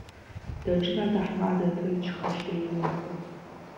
Даҿын аҭаҳмада, ҭынчхашьа имамкәа.